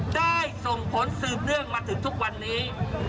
ได้ส่งผลสืบเนื่องมาถึงทุกวันนี้